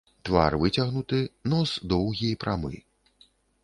Твар выцягнуты, нос доўгі і прамы.